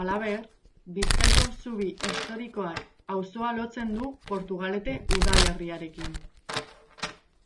Halaber, Bizkaiko zubi historikoak auzoa lotzen du Portugalete udalerriarekin.